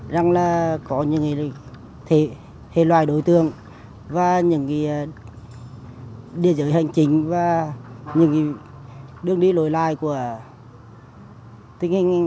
rằng là có những hệ loại đối tương và những địa dưới hành chính và những đường đi lối lại của tình hình